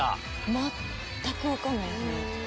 全く分かんないですね。